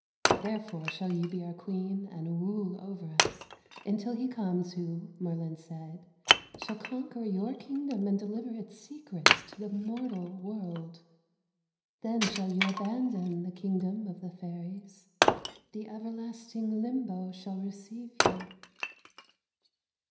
Therefore shall you be our Queen and rule over us until he comes who, Merlin said, shall conquer your kingdom and deliver its secrets to the mortal world. Then shall you abandon the kingdom of the Fairies the everlasting Limbo shall receive you."